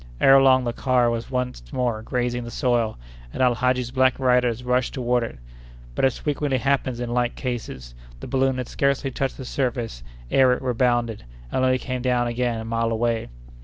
Ere long the car was once more grazing the soil, and Al Hadji's black riders rushed toward it; but, as frequently happens in like cases, the balloon had scarcely touched the surface ere it rebounded, and only came down again a mile away.